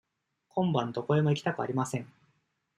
今晩どこへも行きたくありません。